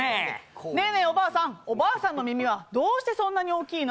おばあさん、おばあさんの耳はどうしてそんなに大きいの？